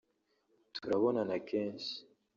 turabonana kenshi